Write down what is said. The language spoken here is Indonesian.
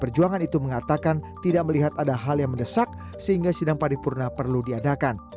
perjuangan itu mengatakan tidak melihat ada hal yang mendesak sehingga sidang paripurna perlu diadakan